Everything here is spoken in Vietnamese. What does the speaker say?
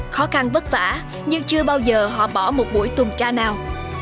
khó khăn vất vả nhưng chưa bao giờ họ bỏ một buổi tuần tra nào